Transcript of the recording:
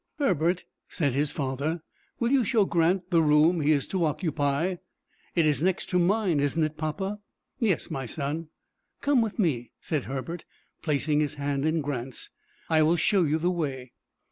"Herbert," said his father, "will you show Grant the room he is to occupy?" "It is next to mine, isn't it, papa?" "Yes, my son." "Come with me," said Herbert, putting his hand in Grant's. "I will show you the way."